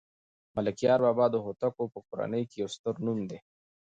ملکیار بابا د هوتکو په کورنۍ کې یو ستر نوم دی